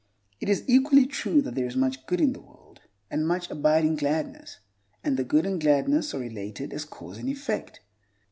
It is equally true that there is much good in the world, and much abiding gladness, and the good and gladness are related as cause and effect.